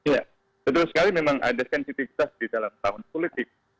ya betul sekali memang ada sensitivitas di dalam tahun politik